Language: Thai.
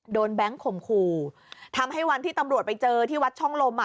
โดนแบงค์ขมครูทำให้วันที่ตำรวจไปเจอที่วัดช่องลม